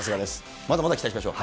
まだまだ期待しましょう。